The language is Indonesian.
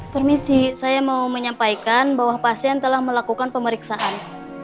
permisi saya mau menyampaikan bahwa pasien telah melakukan pemeriksaan